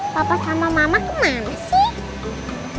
papa sama mama kemana sih